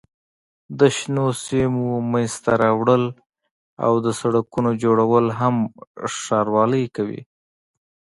د شنو سیمو منځته راوړل او د سړکونو جوړول هم ښاروالۍ کوي.